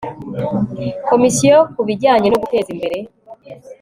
komisiyo ku bijyanye no guteza imbere